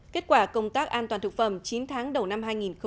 kết quả công tác an toàn thực phẩm chín tháng đầu năm hai nghìn một mươi chín